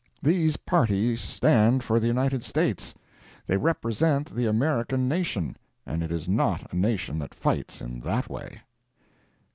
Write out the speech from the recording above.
These parties stand for the United States. They represent the American nation, and it is not a nation that fights in that way.